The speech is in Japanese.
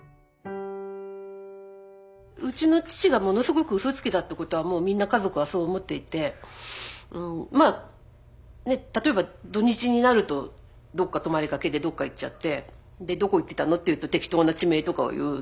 うちの父がものすごくうそつきだってことはもうみんな家族はそう思っていてまあ例えば土日になると泊まりがけでどっか行っちゃってどこ行ってたのって言うと適当な地名とかを言う。